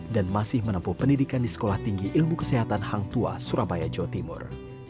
dan masih menempuh pendidikan di sekolah tinggi ilmu kesehatan hang tua surabaya jawa timur